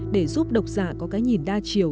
để giúp độc giả có cái nhìn đa chiều